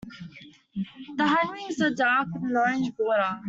The hindwings are dark with an orange border.